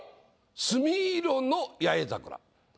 墨色の八重桜」。